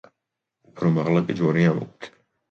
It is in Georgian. უფრო მაღლა კი ჯვარია ამოკვეთილი.